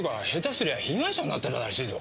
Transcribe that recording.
すりゃ被害者になってたらしいぞ。